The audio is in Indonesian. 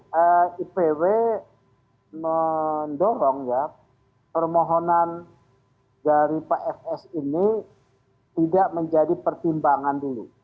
jadi ipw mendorong ya permohonan dari pak fs ini tidak menjadi pertimbangan dulu